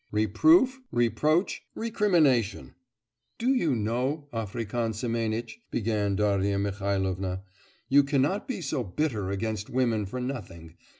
'Reproof, reproach, recrimination.' 'Do you know, African Semenitch,' began Darya Mihailovna, 'you cannot be so bitter against women for nothing.